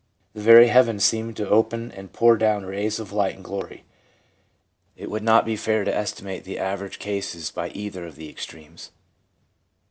The very heavens seemed to open and pour down rays of light and glory.' It would not be fair to estimate the average cases by either of the extremes.